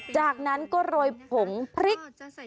จากนั้นก็โรยผงพริก